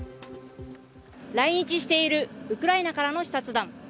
来日しているウクライナからの視察団。